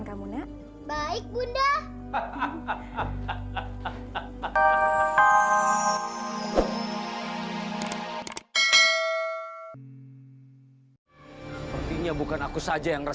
sampai jumpa di video selanjutnya